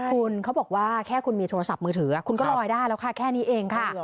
คุณเขาบอกว่าแค่คุณมีโทรศัพท์มือถือคุณก็ลอยได้แล้วค่ะแค่นี้เองค่ะ